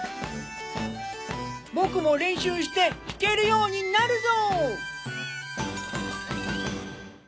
僕も練習して弾けるようになるぞ！